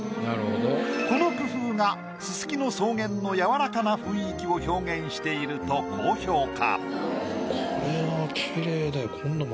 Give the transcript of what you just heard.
この工夫がススキの草原の柔らかな雰囲気を表現していると高評価。